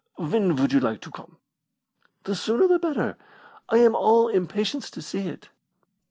"When would you like to come?" "The sooner the better. I am all impatience to see it."